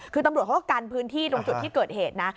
คือตำรวจเขาก็กันพื้นที่ตรงจุดที่เกิดเหตุนะ